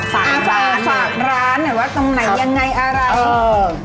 ฝากร้านฝากร้านไหนว่าตรงไหนยังไงอะไร